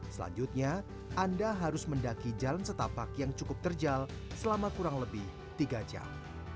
selanjutnya anda harus mendaki jalan setapak yang cukup terjal selama kurang lebih tiga jam